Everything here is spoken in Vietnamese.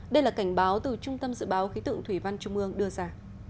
đây là cảnh báo từ trung tâm dự báo khí tượng thủy văn trung ương đưa ra